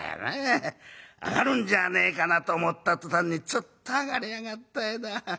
上がるんじゃねえかなと思った途端につっと上がりやがってな。